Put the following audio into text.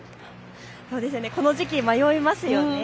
この時期、迷いますよね。